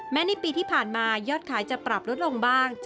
ในปีที่ผ่านมายอดขายจะปรับลดลงบ้าง